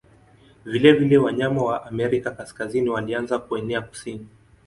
Vilevile wanyama wa Amerika Kaskazini walianza kuenea kusini.